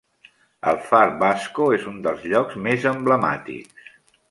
El Far Basco és un dels llocs més emblemàtics.